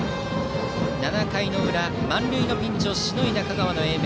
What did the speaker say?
７回の裏、満塁のピンチをしのいだ香川の英明。